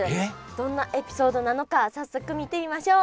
どんなエピソードなのか早速見てみましょう。